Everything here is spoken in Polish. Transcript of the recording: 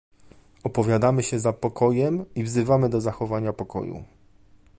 Opowiadamy się za pokojem i wzywamy do zachowania pokoju